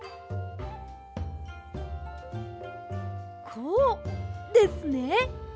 こうですね。